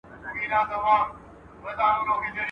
o سپي په خپل منځ کي سره خوري، فقير تې سلا يوه وي.